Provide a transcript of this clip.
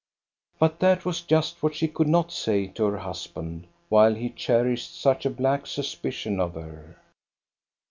But that was just what she could not say to her hus band, while he cherished such a black suspicion of her.